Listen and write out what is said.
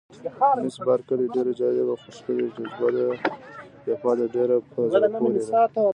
مس بارکلي: ډېره جالبه، خو ښکلې جبهه ده، ډېره په زړه پورې ده.